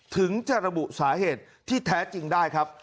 ถึงจะระบุสาเหตุที่แท้จริงได้ครับ